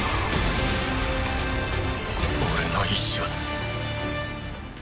俺の意思は。